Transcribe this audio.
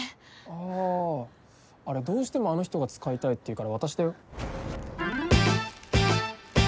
ああれどうしてもあの人が使いたいって言うから渡したよ。